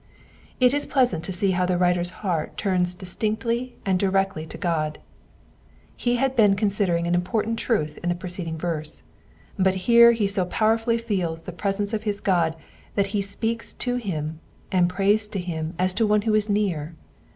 It is pleasant to see how the writer^s heart turns distinctly and directly to God. He had been considering an important truth in the preceding verse, but here he so powerfully feels the presence of his God that he speaks to him, and prays to him as to one who is near.